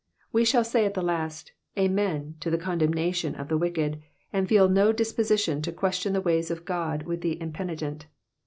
We shall at the last say, Amen,'* to the condemna* tion of the wicked, and feel no disposition to question the ways of God with the impenitent.